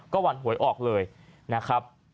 ก็วันหวยออกเลยนะครับ